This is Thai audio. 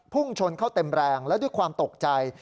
พุ่งชนเข้าเต็มแรงและด้วยความตกใจ